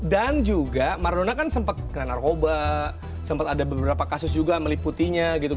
dan juga maradona kan sempat kena narkoba sempat ada beberapa kasus juga meliputinya gitu